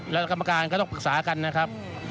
แล้วกรรมการก็ต้องปรึกษากันนะครับ